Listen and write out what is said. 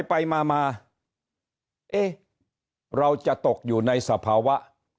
ไปมาเอ๊ะเราจะตกอยู่ในสภาวะ